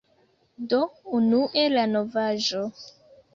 Do unue la novaĵo